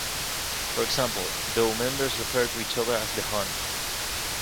For example, though members refer to each other as the hon.